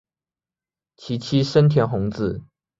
其妻笙田弘子。